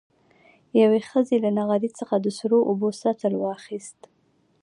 يوې ښځې له نغري څخه د سرو اوبو سطل واخېست.